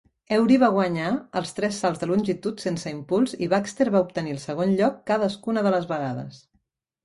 Ewry va guanyar els tres salts de longitud sense impuls i Baxter va obtenir el segon lloc cadascuna de les vegades.